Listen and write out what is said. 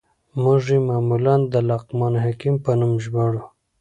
موږ ئې معمولاً د لقمان حکيم په نوم ژباړو.